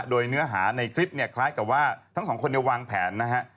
โดยเนื้อหาในคลิปเนี่ยคล้ายกับว่าทั้งสองคนวางแผนนะฮะ